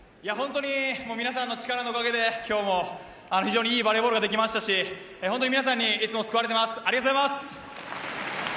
皆さんの力のおかげで今日も、非常に良いバレーボールができましたし本当に皆さんにいつも救われています。